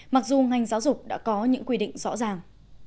mặc dù ngành giáo dục đã có những quy định rõ ràng